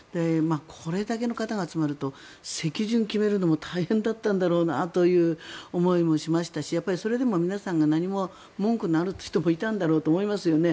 これだけの方が集まると席順を決めるのも大変だったんだろうなという思いもしましたしそれでも皆さんが何も文句のある人もいたと思いますよね。